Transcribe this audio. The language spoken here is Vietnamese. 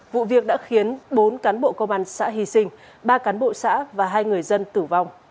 vụ việc đã khiến bốn cán bộ công an xã hy sinh ba cán bộ xã và hai người dân tử vong